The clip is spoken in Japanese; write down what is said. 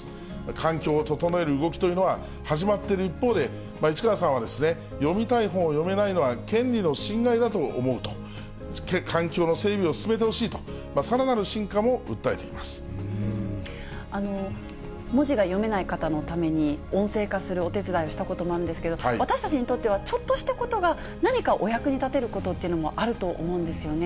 環境を整える動きというのは、始まってる一方で、市川さんは、読みたい本を読めないというのは、権利の侵害だと思うと、環境の整備を進めてほしいと、文字が読めない方のために、音声化するお手伝いをしたこともあるんですけれども、私たちにとってはちょっとしたことが何かお役に立てることっていうのも、あると思うんですよね。